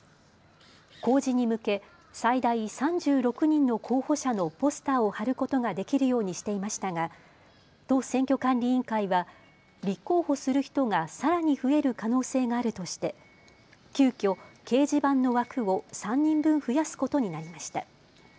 公示に向け最大３６人の候補者のポスターを貼ることができるようにしていましたが都選挙管理委員会は立候補する人がさらに増える可能性があるとして急きょ、掲示板の枠を３人分増やすことになりました。